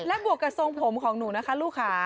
บวกกับทรงผมของหนูนะคะลูกค่ะ